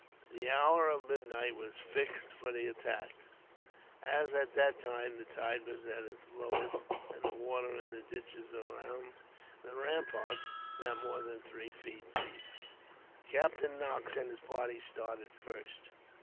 The hour of midnight was fixed for the attack, as at that time the tide was at its lowest, and the water in the ditches round the ramparts not more than three feet deep. Captain Knox and his party started first.